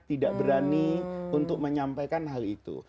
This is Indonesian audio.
tidak berani untuk menyampaikan hal itu